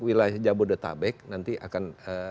wilayah jabodetabek nanti akan